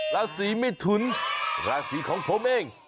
ราศรีเมทุนราศรีของผมเอง